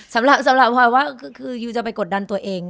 สำหรับพลอยว่าคือยูจะไปกดดันตัวเอง